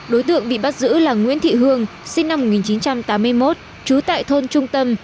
đối tượng bị bắt giữ là nguyễn thị hương sinh năm một nghìn chín trăm tám mươi một trú tại thôn trung tâm